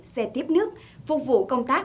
xe tiếp nước phục vụ công tác